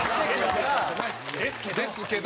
ですけど。